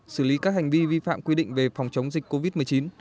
xử lý các hành vi vi phạm quy định về phòng chống dịch covid một mươi chín